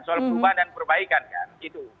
soal perubahan dan perbaikan kan itu